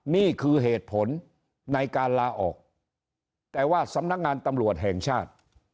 นี่คือเหตุผลในการลาออกแต่ว่าสำนักงานตำรวจแห่งชาติ